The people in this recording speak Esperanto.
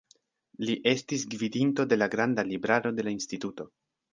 Li estis gvidinto de la granda libraro de la instituto.